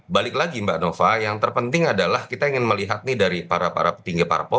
balik lagi mbak nova yang terpenting adalah kita ingin melihat nih dari para para petinggi parpol